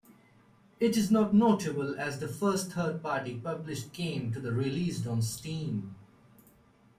It is notable as the first third-party published game to be released on Steam.